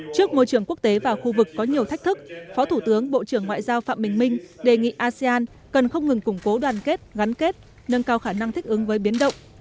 trước môi trường quốc tế và khu vực có nhiều thách thức phó thủ tướng bộ trưởng ngoại giao phạm bình minh đề nghị asean cần không ngừng củng cố đoàn kết gắn kết nâng cao khả năng thích ứng với biến động